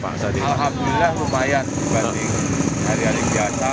alhamdulillah lumayan dibanding hari hari biasa